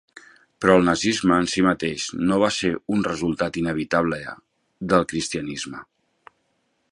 Però el nazisme en sí mateix no va ser un resultat inevitable del cristianisme.